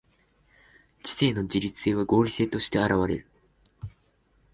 知性の自律性は合理性として現われる。